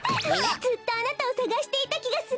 ずっとあなたをさがしていたきがする。